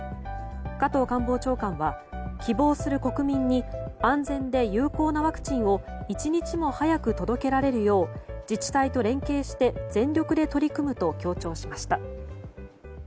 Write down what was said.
加藤官房長官は希望する国民に安全で有効なワクチンを一日も早く届けられるよう自治体と連携して全力で取り組むと強調しました。